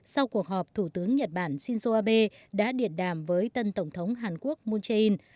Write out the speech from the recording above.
sau cuộc họp thủ tướng nhật bản shinzo abe đã điện đàm với tân tổng thống hàn quốc moon jae in